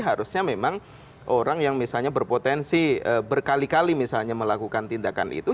harusnya memang orang yang misalnya berpotensi berkali kali misalnya melakukan tindakan itu